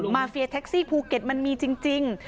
เฟียแท็กซี่ภูเก็ตมันมีจริง